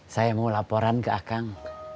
saya mau laporan ke akang